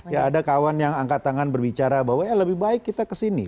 ya ada kawan yang angkat tangan berbicara bahwa ya lebih baik kita kesini